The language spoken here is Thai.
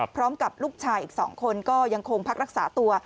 พร้อมกับลูกชายอีก๒คนก็ยังคงพักรักษาตัว